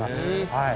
はい。